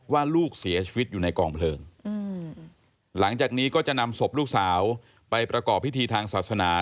ว่าลูกเสียชีวิตอยู่ในกองเพลิงหลังจากนี้ก็จะนำศพลูกสาวไปประกอบพิธีทางศาสนา